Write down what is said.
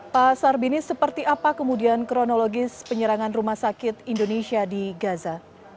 pak sarbini seperti apa kemudian kronologis penyerangan rumah sakit indonesia di gaza